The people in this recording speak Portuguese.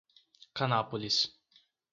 Canápolis